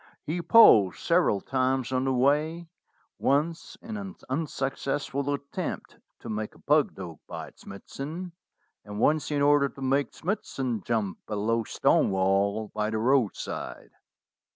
He paused several times on the way, once in an unsuccessful attempt to make a pug dog bite Smithson, and once in order to make Smithson jump a low stone wall by the roadside.